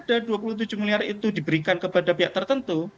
kalau memang benar ada dua puluh tujuh miliar itu diberikan kepada pihak tertentu